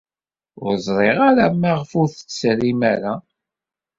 Ur ẓriɣ ara maɣef ur tt-trim ara.